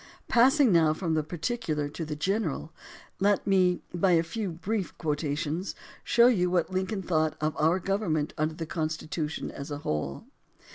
Passing now from the particular to the general, let me by a few brief quotations show you what Lincoln thought of our government under the Constitution as a whole.